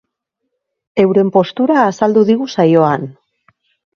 Euren postura azaldu digu saioan.